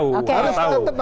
harus tetap harus tahu